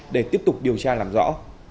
để tiếp tục điều tra làm rõ